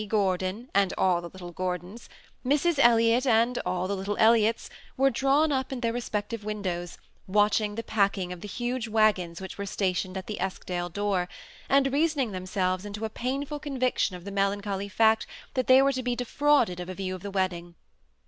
Gordon and all the little Gordons, Mrs. Elliot and all the little Elliots, were drawn up at their respective, windows, watching the packing of the huge wagons which were stationed at the Eskdale door, and reasoning themselves into a painful conviction of the melancholy fact, that thej were to be defrauded of a view of the wedding.